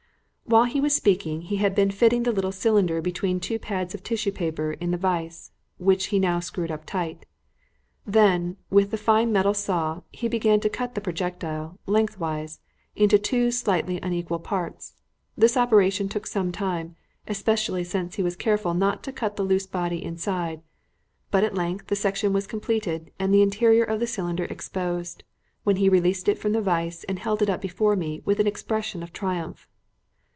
While he was speaking he had been fitting the little cylinder between two pads of tissue paper in the vice, which he now screwed up tight. Then, with the fine metal saw, he began to cut the projectile, lengthwise, into two slightly unequal parts. This operation took some time, especially since he was careful not to cut the loose body inside, but at length the section was completed and the interior of the cylinder exposed, when he released it from the vice and held it up before me with an expression of triumph.